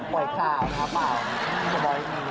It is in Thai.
ปล่อยข่าวครับปล่อย